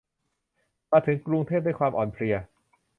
มาถึงกรุงเทพด้วยความอ่อนเพลีย